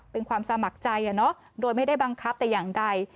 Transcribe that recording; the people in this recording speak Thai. เป็นความสมัครใจโดยไม่ได้บังคับแต่อย่างใด